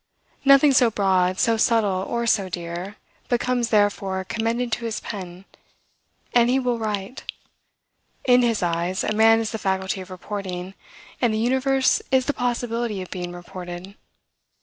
Nothing so broad, so subtle, or so dear, but comes therefore commended to his pen, and he will write. In his eyes, a man is the faculty of reporting, and the universe is the possibility of being reported.